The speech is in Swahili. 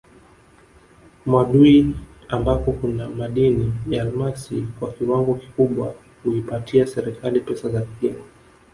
Mwadui ambako kuna madini ya almasi kwa kiwango kikubwa huipatia serikali pesa za kigeni